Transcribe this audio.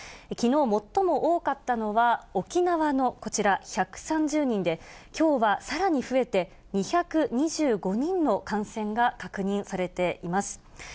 きのう最も多かったのは、沖縄のこちら１３０人で、きょうはさらに増えて、２２５人の感染が確認されています。